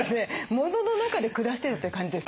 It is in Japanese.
モノの中で暮らしてたって感じですね。